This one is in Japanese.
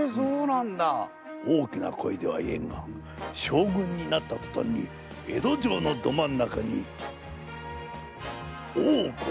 大きな声では言えんが将軍になったとたんに江戸城のど真ん中に大奥！